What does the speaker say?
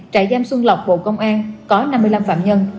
trại giam xuân lộc bộ công an có năm mươi năm phạm nhân